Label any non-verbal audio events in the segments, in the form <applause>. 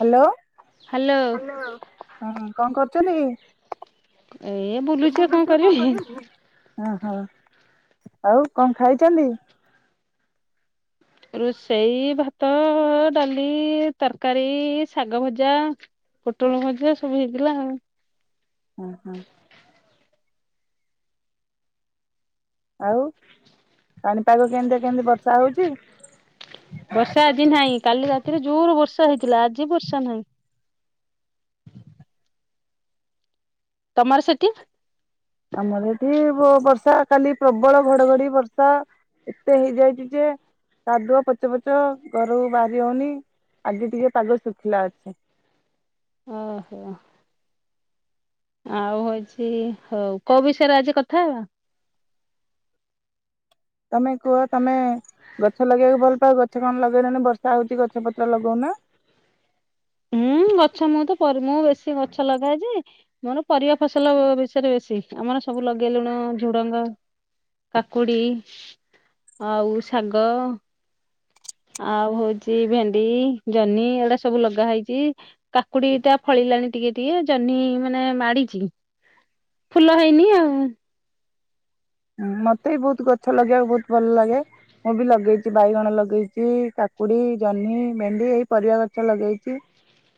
Hello hello hello ହ କଣ କରୁଛ? ଚାଲିଏ। ଏ ବୁଲୁଚି କଣ କରିବି। ହଁ ହଁ। ଆଉ କଣ ଖାଇଛନ୍ତି? ରୋଷେଇ ଭାତ, ଡାଲି, ତରକାରୀ, ଶାଗ ଭଜା, ପୋଟଳ ଭଜା ସବୁ ହେଇଥିଲା ଆଉ। ହୁଁ ହୁଁ। ଆଉ? ପାଣିପାଗ କେମିତିଆ କେମିତି ବର୍ଷା ହଉଛି? ବର୍ଷା ଆଜି ନାହିଁ କାଲି ରାତିରେ ଜୋର ବର୍ଷା ହଉଥିଲା ଆଜି ବର୍ଷା ନାହିଁ। ତମର ସେଠି? ଆମର ଏଠି ବର୍ଷା କାଲି ପ୍ରବଳ ଘଡଘଡି ବର୍ଷା ଏତେ ହେଇଯାଇଛି ଯେ କାଦୁଅ ପଚ ପଚ ଘରୁ ବାହାରି ହଉନି ଆଜି ଟିକେ ପାଗ ଶୁଖିଲା ଅଛି। ଓ ହୋ। ଆଉ ହଉଛି ହଉ କୋଉ ବିଷୟରେ ଆଜି କଥା ହବା? ତମେ କୁହ ତମେ ଗଛ ଲଗେଇବାକୁ ଭଲ ପାଅ ଗଛ କଣ ଲଗେଇଲନି ବର୍ଷା ହଉଛି ଗଛ ପତ୍ର ଲଗଉନା। ହୁଁ ଗଛ ମୁଁ ତ ମୁଁ ବେଶୀ ଗଛ ଲଗାଏ ଯେ ମୋର ପରିବା ଫସଲ ବିଷୟରେ ବେଶୀ ଆମର ସବୁ ଲଗେଇଲୁଣୁ ଝୁଡଙ୍ଗ କାକୁଡି ଆଉ ଶାଗ ଆଉ ହଉଛି ଭେଣ୍ଡି ଜହ୍ନି ଏଗୁଡା ସବୁ ଲ ଲଗାହେଇଛି କାକୁଡି ଟା ଫଳିଲାଣି ଟିକେ ଟିକେ ଜହ୍ନି ମାନେ ମାଡିଛି ଫୁଲ ହେଇନି ଆଉ। ହୁଁ ମତେ ବି ବହୁତ ଗଛ ଲଗେଇବାକୁ ବହୁତ ଭଲ ଲାଗେ ମୁଁ ବି ଲଗେଇଛି ବାଇଗଣ ଲଗେଇଛି କାକୁଡି ଜହ୍ନି ଭେଣ୍ଡି ଏଇ ପରିବା ଗଛ ଲଗେଇଛି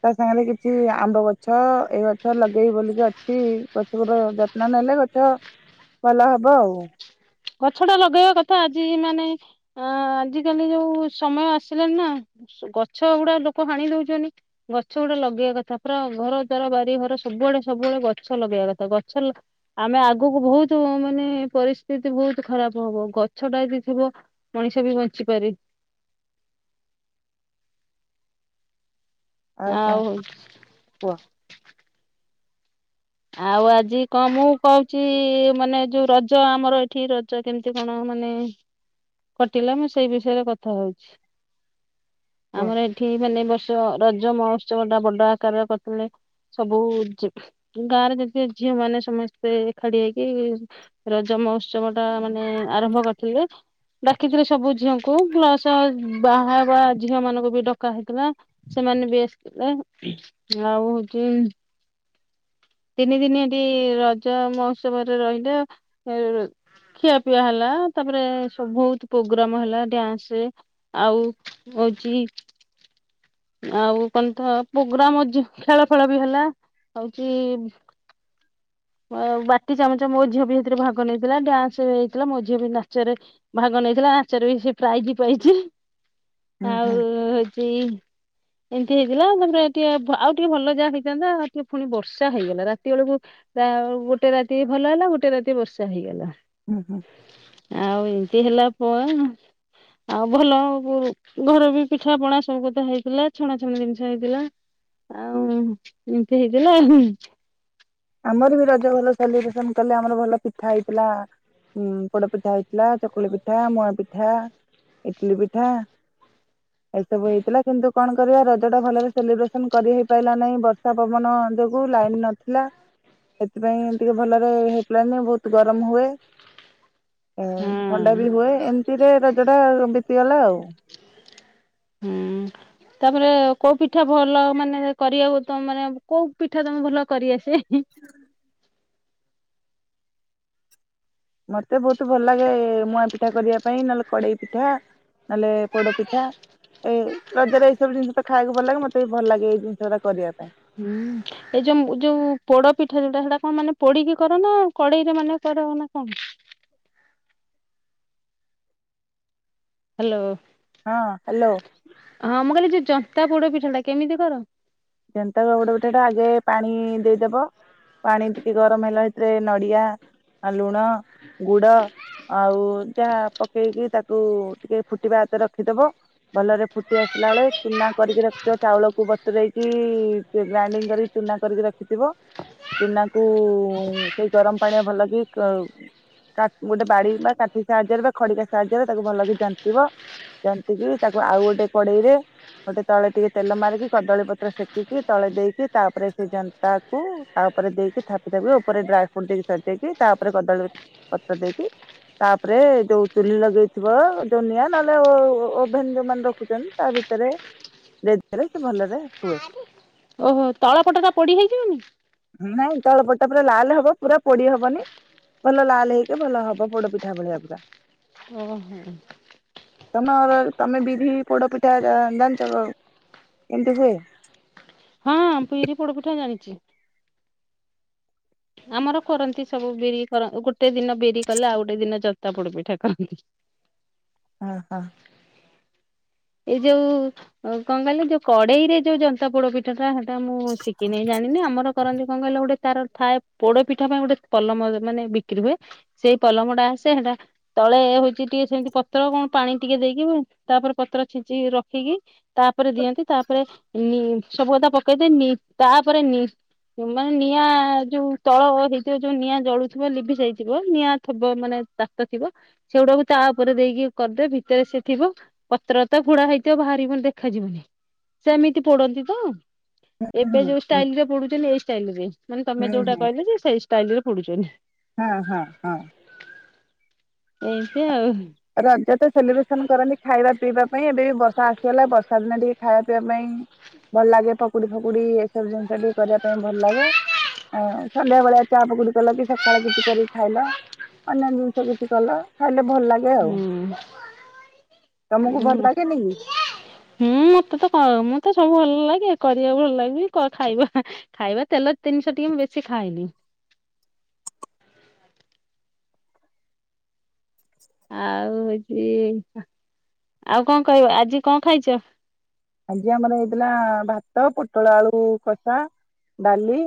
ତା ସାଙ୍ଗେରେ କିଛି ଆମ୍ବ ଗଛ ଏଇ ଗଛ ଲଗେଇବି ବୋଲିକି ଅଛି ଗଛ ଗୁରା ଯତ୍ନ ନେଲେ ଗଛ ଭଲ ହ ବ ଆଉ। ଗଛଟା ଲଗେଇବା କଥା ଆଜି ମାନେ ଅ ଆଜିକାଲି ଯୋଉ ସମୟ ଆସିଲାଣିି ନା ଗଛ ଗୁଡା ଲୋକ ହାଣି ଦଉଛନ୍ତି ଗଛ ଗୁଡା ଲଗେଇବା କଥା ପୁରା ଘର ଦ୍ଵାର ବାରି ଘର ସବୁଆଡେ ସବୁଆଡେ ଗଛ ଲଗେଇବା କଥା ଗଛ ଆମେ ଆଗକୁ ବହୁତ ମାନେ ପରି ସ୍ଥିତି ବହୁତ ଖରାପ ହବ ଗଛ ଟା ଯଦି ଥିବ ମଣିଷ ବି ବଞ୍ଚିପାରେ। ଆଉ କଣ କୁହ। ଆଉ ଆଜି କଣ ମୁଁ କହୁଛି ମାନେ ଯୋଉ ରଜ ଆମର ଏଠି ରଜ କେମିତି କଣ ମାନେ କଟିଲା ମୁଁ ସେଇ ବିଷୟରେ କଥା ହଉଛି। କୁହ ଆମର ଏଠି ମାନେ ବର୍ଷ ରଜ ମହୋତ୍ସବ ଟା ବଡ ଆକାରରେ କରିଥିଲେ ସବୁ ଝି ଗାଁ ରେ ଯେତିକ ଝିଅ ମାନେ ସମସ୍ତେ ଏକାଠି ହେଇକି ରଜ ମହୋତ୍ସବ ଟା ମାନେ ଆରମ୍ଭ କରିଥିଲେ। ଡାକିଥିଲେ ସବୁ ଝିଅଙ୍କୁ ପ୍ଲସ ବାହାହବା ଝିଅ ମାନଙ୍କୁ ବି ଡକା ହେଇଥିଲା ସେମାନେ ବି ଆସିଥିଲେ ଆଉ ହଉଛି ତିନି ଦିନି ଏଠି ରଜ ମହୋତ୍ସବରେ ରହିଲେ ଖିଆପିଆ ହେଲା ତାପରେ ବହୁତ ପ୍ରୋଗ୍ରାମ ହେଲା ଡ଼ନ୍ସ ଆଉ ହଉଛି ଆଉ କଣତ ପ୍ରୋଗ୍ରାମ ଯୋଉ ଖେଳ ଫେଳ ବି ହେଲା ହଉଛି <unintelligible> ବାଟି ଚାମଚ ମୋ ଝିଅ ବି ସେଥିରେ ଭାଗ ନେଇଥିଲା ଡ୍ୟାନ୍ସ ହେଇଥିଲା ମୋ ଝିଅ ବି ନାଚରେ ଭାଗ ନେଇଥିଲା ନାଚରେ ବି ସେ ପ୍ରାଇଜ୍ ପାଇଛି। ହୁଁ ଆଉ ହୁଁ ହଉଛି ଏମିତି ହେଇଥିଲା ମାନେ ଆଉ ଟିକେ ଆଉ ଟିକେ ଭଲ ଯାହା ହେଇଥାନ୍ତା ଟିକେ ପୁଣି ବର୍ଷା ହେଇଗଲା ରାତି ବେଳକୁ ତା ଗୋଟେ ରାତି ଭଲ ହେଲା ଗୋଟେ ରାତି ବର୍ଷା ହେଇଗଲା। ହୁଁ ହୁଁ ଆଉ ଏ ଏତିକି ହେଲା ପରେ ନହେଲେ ଆଉ ଭଲ ଆଉ ଘରେବି ପିଠା ପଣା ସବୁ କଥା ହେଇଥିଲା ଛଣା ଛଣି ଜିନିଷ ହେଇଥିଲା ଆଉ ଏମିତି ହେଇଥିଲା ଆଉ। ଆମର ବି ରଜ ଭଲ ସେଲିବ୍ରେସନ୍ କଲେ ଆମର ଭଲ ପିଠା ହେଇଥିଲା ଉଁ ପୋଡ ପିଠା ହେଇଥିଲା ଚକୁଳି ପିଠା ମୁଆ ପିଠା ଇଟିଲିି ପିଠା ଏଇସବୁ ହେଇଥିଲା କିନ୍ତୁ କଣ କରିବା ରଜ ଟା ଭଲରେ ସେଲିବ୍ରେସନ୍ କରି ହେଇ ପାଇଲା ନାହିଁ ବର୍ଷା ପବନ ଯୋଗୁ ଲାଇନ୍ ନଥିଲା ସେଥିପାଇଁ ଟିକେ ଭଲରେ ହେଇପାଇଲାନି ବହୁତ ଗରମ ହୁଏ। ଏ ହଁ ଥଣ୍ଡା ବି ହୁଏ ଏମତିରେ ରଜ ଟା ବିତିଗଲା ଆଉ। ହୁଁ ତାପରେ କୋଉ ପିଠା ଭଲ ମାନେ କରିବାକୁ ତମ ମାନେ କୋଉ ପିଠା ତମକୁ ଭଲ କରିଆସେ? ହୁଁ। ମତେ ବହୁତ ଭଲ ଲାଗେ ମୁଆଁ ପିଠା କରିବା ପାଇଁ ନହେଲେ କଡେଇ ପିଠା ନହେଲେ ପୋଡ ପିଠା ଏ ରଜରେ ଏଇ ସବୁ ଜିନିଷ ତ ଖାଇବାକୁ ଭଲ ଲାଗେ ମତେ ବି ଭଲ ଲାଗେ ଏଇ ଜିନିଷ ଗୁଡା କରିବା ପାଇଁ। ହୁଁ ଏଇ ଯୋଉ ଯୋଉ ପୋଡ ପିଠା ଯୋଉଟା ସେଇଟା କଣ ମାନେ ପୋଡିକି କର ନା କଡେଇରେ ମାନେ କର ନା କଣ? ହାଲୋ। ହଁ ହ୍ୟାଲୋ ହଁ ମୁଁ କହିଲି ଯୋଉ ଯ ଏତେ ପୋଡ ପିଠାଟା କେମିତି କର? ଯନ୍ତା ପୋଡ ପିଠାଟା ଆଗେ ପାଣି ଦେଇଦବ ପାଣି ଟିକେ ଗରମ ହେଲା ଭିତରେ ନଡିଆ ଲୁଣ ଗୁଡ ଆଉ ଯାହା ପକେଇକି ତାକୁ ଟିକେ ଫୁଟିବା ହାତେ ରଖିଦବ ଭଲରେ ଫୁଟି ଆସିଲା ବେଳେ ଚୁନା କରିକି ରଖିଥିବା ଚାଉଳକୁ ବତୁରରେଇ ଗ୍ରାଇଡିଙ୍ଗ କାରିକି ଚୁନା କରିକି ରଖି ଥିବ ଚୁନା କୁ ସେଇ ଗରମ ପାଣିରେ ଭଲକି କାଟ ଗୋଟେ ବାଡି ବା କାଠି ସାହାଯ୍ୟରେ ବା ଖଡିକା ସାହାଯ୍ୟରେ ତାକୁ ଭଲକି ଜନ୍ତିିବ ଜନ୍ତିିକି ତାକୁ ଆଉ ଗୋଟେ କଡେଇରେ ଗୋଟେ ତଳେ ଟିକେ ତେଲ ମାରିକି କଦଳୀ ପ ପୁରା ସେକିକି ତଳେ ଦେଇକି ତାପରେ ସେ ଜନ୍ତାକୁ ତା ଉପରେ ଦେଇକି ଥାପି ଥାପି ଉପରେ ଡ୍ରାଇ ଫ୍ରୁଟ ଦେଇକି ସଜେଇକି ତାପରେ କଦଳୀ ପତ୍ର ଦେଇକି ତାପରେ ଯୋଉ ଚୁଲି ଲଗେଇଥିବ ଯୋଉ ନିଆଁ ନହେଲେ ଓଭେନ ଯୋଉମାନେ ରଖୁଛନ୍ତି ତା ଭିତରେ <unintelligible> ଭଲରେ ହୁଏ। ଓହୋ ତଳ ପଟ ଟା ପୋଡି ହେଇଯିବନି ନାଇଁ ତଳ ପଟା ପୁରା ଲାଲ ହବ ପୁରା ପୋଡି ହବନି ଭଲ ଲାଲ ହେଇକି ଭଲ ହବ ପୋଡ ପିଠା ଭଳିଆ ପୁରା। ହୁଁ। ତମର ତମେ ବିରି ପୋଡ ପିଠା ଜାଣିଛ କେମିତି ହୁଏ? ହଁ ବିରି ପୋଡ ପିଠା ଜାଣିଚି। ଆମର କରନ୍ତି ସବୁ ବିରି କର ଗୋଟେ ଦିନ ବିରି କଲେ ଆଉ ଗୋଟେ ଦିନ ଜନ୍ତା ପୋଡ଼ ପିଠା କରନ୍ତି। <unintelligible> ହଁ। ଏଇ ଯୋଉ କଣ କହିଲେ ଯୋଉ କଡ଼େଇ ରେ ଯୋଉ ଜନ୍ତା ପୋଡ଼ ପିଠ ଟା ସେଟା ମୁଁ ଶିଖିନି ଜାଣିନି ଆମର କରନ୍ତି। କଣ କହିଲ ଗୋଟେ ତାର ଥାଏ ପୋଡ଼ପିଠା ପାଇଁ ଗୋଟେ ପଲମ ମାନେ ବିକ୍ରି ହୁଏ ସେଇ ପଲମ ଟା ଆସେ ସେଟା ତଳେ ହଉଛି ଟିକେ ସେମିତି ପତ୍ର କଣ ପାଣି ଟିକେ ଦେଇକି ତାପରେ ପତ୍ର <unintelligible> ରଖିକି ତାପରେ ଦିଅନ୍ତି ତାପରେ ସବୁ କଥା ପକେଇଦେଇ ତାପରେ ନି ମାନେ ନିଆଁ ଯୋଉ ତଳ ହେଇଥିବ ଯୋଉ ନିଆଁ ଜଳୁଥିବ ଲିଭିଯାଥିବ ନିଆଁ ଥବ ମାନେ ତାତ ଥିବ ସେଗୁଡାକୁ ତା ଉପରେ ଦେଇକି କରିଦେବେ ଭିତରେ ସେ ଥିବ ପତ୍ର ତା ଘୁଡା ହେଇଥିବ ବାହାରିବନି ଦେଖାଯିବନି ସେ ଏମିତି ପୋଡ଼ନ୍ତି ତ? ହୁଁ ଏବେ ଯୋଉ ହୁଁ ଷ୍ଟାଇଲ୍ ରେ ପଡୁଛନ୍ତି ଏଇ ଷ୍ଟାଇଲ୍ ରେ ମାନେ ତମେ ହୁଁ ଯୋଉଟା ହୁଁ କହିଲେ ଯେ ସେଇ ଟାଇଲିରେ ପଡୁ଼ଚନ୍ତି। ହଁ ହଁ ହଁ। ଏମିତି ଆଉ। ରଜ ତ ସେଲିବ୍ରେସନ କରନ୍ତି ଖାଇବା ପିଇବା ପାଇଁ ଏବେ ବି ବର୍ଷା ଆସିଗଲା ବର୍ଷା ଦିନ ଟିକେ ଖାଇବା ପିଇବା ପାଇଁ ଭଲ ଲାଗେ ପକୁଡି ଫକୁଡି ଏସବୁ ଜିନିଷ ଟିକେ କରିବା ପାଇଁ ଭଲ ଲାଗେ ଆ ସନ୍ଧ୍ୟା ବେଳିଆ ଚା ପକୁଡି କଲ କି ସକାଳେ କିଛି କରିକି ଖାଇଲ ଅନ୍ୟ ଜିନିଷ କିଛି କଲ <unintelligible> ହୁଁ ତମକୁ ଭଲ ଲାଗେନି କି? ହୁଁ ମତେ ତ କହ ତ ସବୁ ଭଲ ଲାଗେ କରିବାକୁ ଭଲ ଲାଗେବି କ ଖାଇବା ଖାଇବା ତେଲ ଜିନିଶହ ଟିକେ ମୁ ବେଶୀ ଖାାଏନି। ଆଉ ହଉଛି ଆଉ କଣ କହିବ ଆଜି କଣ ଖାଇଛ? ଆଜି ଆମର ହେଇଥିଲା ଭାତ ପୋଟଳ ଆଳୁ କଷା ଡାଲି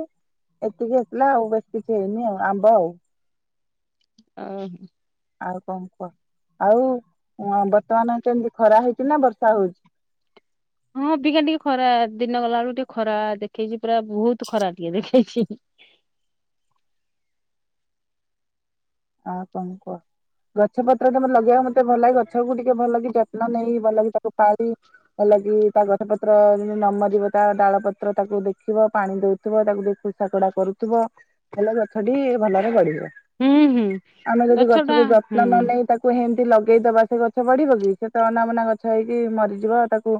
ଏତିକି ହେଇଥିଲା ଆଉ ବେଶୀ କିଛି ହେଇନି ଆଉ ଆମ୍ବ ଆଉ ଅ ହ। ଆଉ କଣ କୁହ ଆଉ ଅଁ ବର୍ତ୍ତମାନ କେମତି ଖରା ହେଇଛି ନା ବର୍ଷା ହଉଛି ହଁ ଅବିକା ଟିକେ ଖରା ଦିନ ଗଲା ବେଳକୁ ଟିକେ ଖରା ଦେଖେଇଛି ପୁରା ବହୁତ ଖରା ଟିକେ ଦେଖେଇଛି। ଆଉ କଣ କୁହ ଗଛ <unintelligible> ଲଗେଇବାକୁ ମତେ ଭଲ ଲାଗେ ଗଛକୁ ଟିକେ ଭଲକି ନ ନେଇ ଭଲ କିି ତାକୁ ପାଳି ଭଲ କି ତା ଗଛ ପତ୍ର ନ ମରିବ ତା ଡାଳ ପତ୍ର ତାକୁ ଦେଖିବ ପାଣି ଦଉଥିବ ତାକୁ ଟିକେ ଖୁସା ତଡା କରୁଥିବ ହେଲେ ଗଛଟି ଭଲରେ ବଢିବ। ହୁଁ ହୁଁ ଆମେ ଯଦି ଗଛ ଟା ଗଛକୁ ହୁଁ ଯତ୍ନ ନ ନେଇ ତାକୁ ହେମ ଲଗେଇଦବା ସେ ଗଛ ବଢ଼ିବ କି ସେ ତ ଅନାବନା ଗଛ ହେଇକି ମରିଯିବ ତାକୁ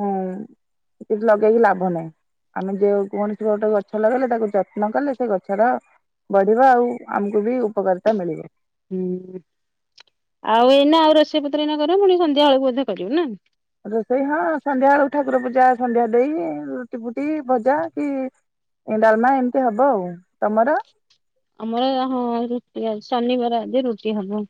ଉଁ ଲଗେଇକି ଲାଭ ନାହିଁ ଆମେ ଯେ କୌଣସି ଗୋଟେ ଗଛ ଲଗେଇଲେ ତାକୁ ଯତ୍ନ କଲେ ସେ ଗଛ ରା ବଢ଼ିବ ଆଉ ଆମକୁ ବି ଉପକାରିତା ମିଳିବ। ହୁଁ ଆଉ ଏଇନା ଆଉ ରୋଷେଇ ପତ୍ର ଏଇନା କର ପୁଣି ସନ୍ଧ୍ୟା ବେଳକୁ ବୋଧେ କରିବ ନା। ରୋଷେଇ ହଁ ସନ୍ଧ୍ୟା ବେଳକୁ ଠାକୁର ପୂଜା ସନ୍ଧ୍ୟା ଦେଇ ରୁଟି ଫୁଟି ଭଜା କି ଡାଲମା ଏମିତି ହବ ଆଉ। ତମର? ଆମର ହଁ ର ଶନିବାର ଆଜି ରୁଟି ହବ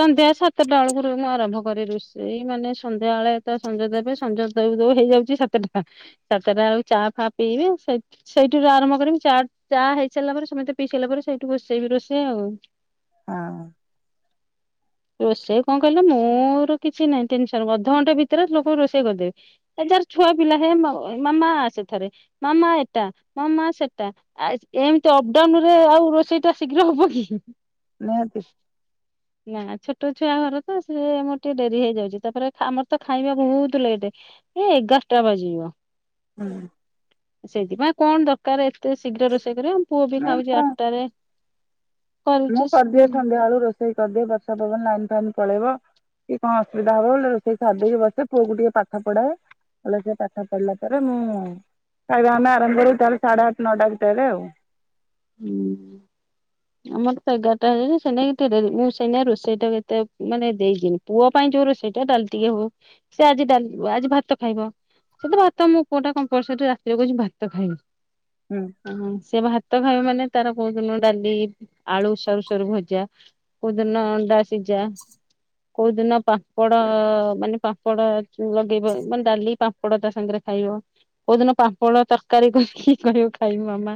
ସନ୍ଧ୍ୟା ସାତଟା ବେଳକୁ ମୁଁ ଆରମ୍ଭ କରେ ରୋଷେଇ ମାନେ ସନ୍ଧ୍ୟା ବେଳେ ତ ସଞ୍ଜ ଦେବେ ସଞ୍ଜ ଦଉ ଦଉ ହେଇଯାଉଛି ସାତଟା ସାତଟା ବେଳକୁ ଚା ଫା ପିଇବେ ସେଇଠିରୁ ଆରମ୍ଭ କରିବି ଚା ଚା ହେଇ ସାରିଲା ପରେ ସମେତେ ପିଇ ସାରିଲା ପରେ ସେଇଠୁ ବସେଇବି ରୋଷେଇ ଆଉ। ହଁ। ରୋଷେଇ କଣ କହିଲ ମୋର କିଛି ନାହିଁ ଟେନସନ ଅଧଘଣ୍ଟା ଭିତରେ ଲୋକଙ୍କୁ ରୋଷେଇ କରିଦେବି ଯାର ଛୁଆ ପିଲା ହେ ମାମା ଆସେ ଥରେ ମାମା ଏଟା ମାମା ସେଟା ଏମିତି ଟାଉନ୍ ରେ ଆଉ ରୋଷେଇ ଟା ଶୀଘ୍ର ହବ କିି? ନିହାତି। ଛୋଟ ଛୁଆ ଘର ତ ସେ ମୋର ଟିକେ ଡ଼େରି ହେଇଯାଉଛି ତାପରେ ଆମର ତ ଖାଇବା ବହୁତ୍ ଲେଟ ଏ ଏଗାରଟା ବାଜିବ। ହାଲୋ। ସେଇଥିପାଇଁ କଣ ଦରକାର। ଏତେ ଶୀଘ୍ର ରୋଷେଇ କରିବ ଆମ ପୁଅ ବି ଖାଉଛି ନା ଆଠଟାରେ ମୁଁ କରୁଛି। କରିଦିଏ ସନ୍ଧ୍ୟା ବେଳୁ ରୋଷ ରୋଷେଇ କରିଦିଏ ବର୍ଷା ପର୍ବନ ଲାଇନ ଫାଇନ୍ ପଳେଇବ କି କଣ ଅସୁବିଧା ହବ ବୋଲି ରୋଷେଇ ସାରିଦେଇକି ବସେ ପୁଅକୁ ଟିକେ ପାଠ ପଢାଏ ସେ ପାଠ ପଢିଲା ପରେ ମୁଁ ଖାଇବା ଆମେ ଆରମ୍ଭ କରିବୁ ତାହେଲେ ସାଢେ ଆଠ ନଅଟା ଭିତରେ ଆଉ। ହୁଁ ଆମର ତ ଏଗାରଟା ହେ ସେନାଇ ଏତେ ଡେରି ମୁଁ ସେନାଇ ରୋଷେଇ ଟା କେତେ ମାନେ ଦେଇଛିିନି ପୁଅ ପାଇଁ ଯୋଉ ରୋଷେଇ ଟା ଡାଲି ଟିକେ ହଉ ସେ ଆଜି ଡା ଆଜି ଭାତ ଖାଇବ ସେ ଭାତ ମୁ ପୁଅଟା କମ୍ପୋଲ୍ସୋରୀ ରାତିରେ କହୁଛି ଭାତ ଖାଇମି। ହୁଁ। ହଁ ସେ <unintelligible> ଭାତ ଖାଇବ ମାନେ ତାର କୋଉ ଦିନ ଡାଲି ଆଳୁ ସରୁ ସରୁ ଭଜା କୋଉଦିନ ଅଣ୍ଡା ସିଝା କୋଉ ଦିନ ପାମ୍ପଡ଼ ମାନେ ପାମ୍ପଡ଼ ଲଗେଇବ ମାନେ ଡାଲି ପାମ୍ପଡ ତା ସାଙ୍ଗରେ ଖାଇବ କୋଉଦିନ ପାମ୍ପଡ଼ ତରକାରୀ କରୀକି କହିବ ଖାଇବ ମାମା।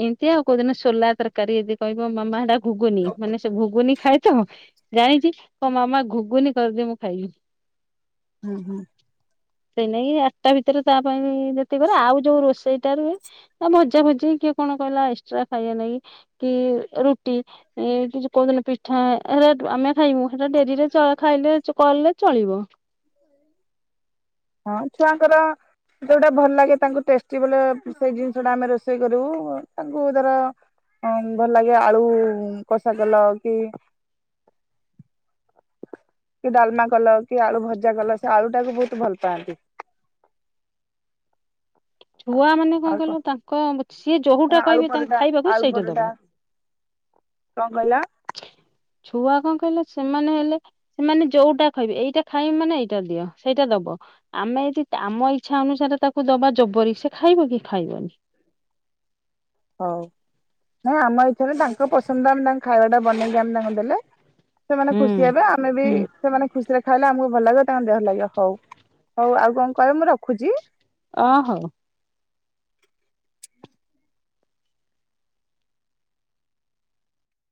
ଏମତି ଆଉ କୋଉଦିନ ସୋଲା ତରକାରୀ ଯଦି କହିବ ମାମା ଏଟା ଘୁଗୁନି ମାନେ ସେ ଘୁଗୁନି ଖାଏ ତ ଜାଣିଛି କହିବ ମାମା ଘୁଗୁନି କରିଦେ ମୁଁ ଖାଇବି। ଓ ହ। ସେଇ ନେଇ ଆଠଟା ଭିତରେ ତା ପାଇଁ ଯେତିକି କରେ ଆଉ ଯୋଉ ରୋଷେଇଟା ରୁହେ ଭଜା ଭଜି କି କଣ କହିଲା ଏକ୍ସଟ୍ରା ଖାଇବା ନାଗି କି ରୁଟି କି କୋଉଦିନ ପିଠାଟ ଆମେ ଖାଇବୁ ସେଟା ଡେରିରେ ଖାଇଲେ କଲେ ଚଳିବ ହଁ ଛୁଆଙ୍କର ଯୋଉଟା ଭଲ ଲାଗେ ତାଙ୍କୁ ଟେଷ୍ଟି <unintelligible> ସେଇ ଜିନିଷ ଟା ଆମେ ରୋଷେଇ କରିବୁ ତାଙ୍କୁ ଧର ଭଲ ଲାଗେ ଆଳୁ କଷା କଲ କି କି ଡାଲମା କଲ କି ଆଳୁ ଭଜା କଲ ସେ ଆଳୁ ଟାକୁ ବହୁତ ଭଲ ପାଆନ୍ତି। ଛୁଆ ମାନେ ଆଉ କଣ କହିଲ ତାଙ୍କ ସିଏ କଣ ଯୋଉଟା ଆଳୁ କହିବେ ତାଙ୍କୁ ପରଟା ଖାଇବାକୁ ଆଳୁ ସେଇଟା ପରଟା ଦବ। କଣ କହିଲ? ଛୁଆ କଣ କହିଲେ ସେମାନେ ହେଲେ ସେମାନେ ଯୋଉଟା ଖାଇବେ ଏଇଟା ଖାଇବି ମାନେ ଏଇଟା ଦିଅ ସେଇଟା ଦବ ଆମେ ଯଦି ଆମ ଇଚ୍ଛା ଅନୁସାରେ ତାକୁ ଦବା ଜବରି ସେ ଖାଇବ କି ଖାଇବନି। ହଉ ନାଇଁ ଆମ <unintelligible> ତାଙ୍କ ପସନ୍ଦ ଆମେ ତାଙ୍କ ଖାଇବା ଟା ବନେଇକି ଆମେ ତାଙ୍କୁ ଦେଲେ ସେମାନେ ହୁଁ। ଖୁସି ହେବେ ଆମେ ବି ହୁଁ। ସେମାନେ ଖୁସିରେ ଖାଇଲେ ଆମକୁ ଭଲ ଲାଗି ତାଙ୍କ ଦେହ ଲାଗିବ ହଉ ହଉ ଆଉ କଣ କହିବ ମୁଁ ରଖୁଛି। ଓ ହଉ।